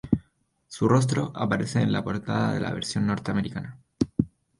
Su rostro aparece en la portada de la versión norteamericana.